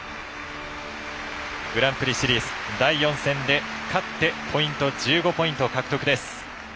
グランプリシリーズ第４戦で勝ってポイント１５ポイント獲得です。